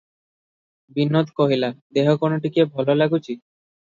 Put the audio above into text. ବିନୋଦ କହିଲା- "ଦେହ କଣ ଟିକିଏ ଭଲ ଲାଗୁଚି?